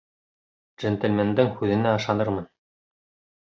Джентльмендың һүҙенә ышанырмын.